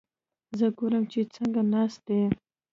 زه ګورم چې څنګه ناست دي؟